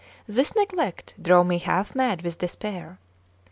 This neglect drove me half mad with despair.